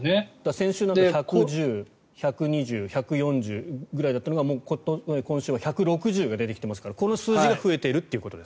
先週の１１０、１２０１４０ぐらいだったのがもう今週は１６０が出てきていますからこの数字が増えていると。